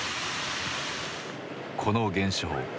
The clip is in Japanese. この現象。